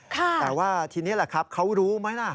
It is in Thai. แต่ว่าทีนี้แหละครับเขารู้ไหมล่ะ